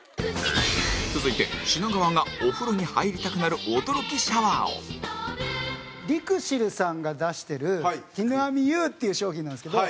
続いて、品川がお風呂に入りたくなる驚きシャワーを品川：リクシルさんが出してるＫＩＮＵＡＭＩＵっていう商品なんですけど。